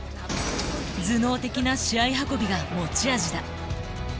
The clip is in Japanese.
頭脳的な試合運びが持ち味だ。